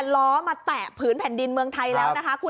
ล้อมาแตะพื้นแผ่นดินเมืองไทยแล้ว